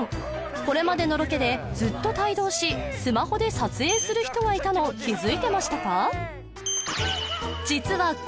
これまでのロケでずっと帯同しスマホで撮影する人がいたの気づいてましたか？